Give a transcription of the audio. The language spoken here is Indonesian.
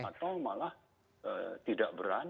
atau malah tidak berhenti